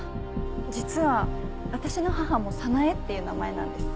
実は私の母も「さなえ」っていう名前なんです。